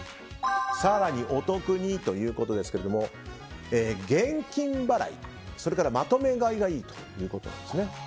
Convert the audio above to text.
更にお得にということですけども現金払い、まとめ買いということですね。